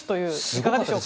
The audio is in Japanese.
いかがでしょうか。